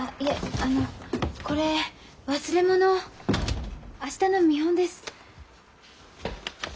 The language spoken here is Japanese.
あのこれ忘れ物明日の見本です。